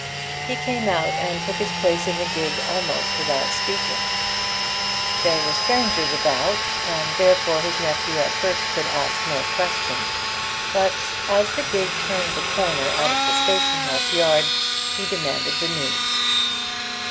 He came out and took his place in the gig almost without speaking. There were strangers about, and therefore his nephew at first could ask no question, but as the gig turned the corner out of the station house yard he demanded the news.